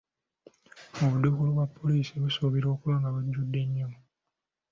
Obuduukulu bwa poliisi busuubirwa okuba nga bujjudde nnyo.